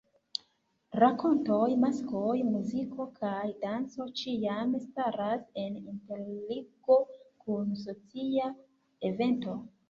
Rakontoj, maskoj, muziko kaj danco ĉiam staras en interligo kun socia evento.